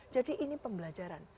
jadi ini pembelajaran